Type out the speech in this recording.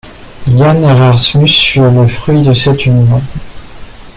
Jan Erasmus fut le fruit de cette union.